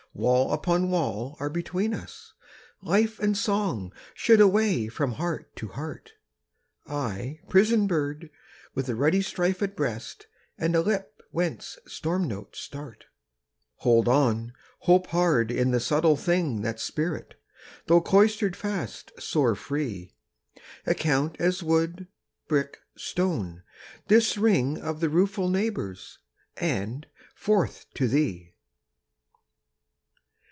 Wall upon wall are between us: life And song should away from heart to heart! I prison bird, with a ruddy strife At breast, and a lip whence storm notes start 20 Hold on, hope hard in the subtle thing That's spirit: tho' cloistered fast, soar free; Account as wood, brick, stone, this ring Of the rueful neighbours, and forth to thee!